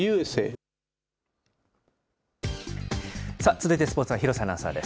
続いてスポーツは廣瀬アナウンサーです。